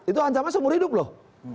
itu ancaman seumur hidup loh